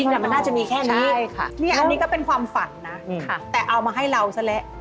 น่าจะมีแค่นี้นี่ก็ก็เป็นความฝันนะแต่เอามาให้เราซะแหละ